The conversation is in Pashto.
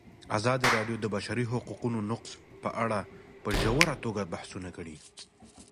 ازادي راډیو د د بشري حقونو نقض په اړه په ژوره توګه بحثونه کړي.